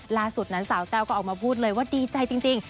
ล่าสุดนั้นสาวแต้วก็ออกมาพูดเลยว่าดีใจจริง